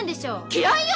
嫌いよ！